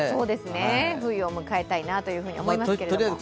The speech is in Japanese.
冬を迎えたいなと思いますけれども。